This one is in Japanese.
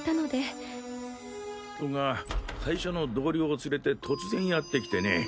私はゆうべ息子が会社の同僚を連れて突然やってきてね。